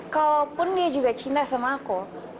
kalaupun dia juga cinta sama aku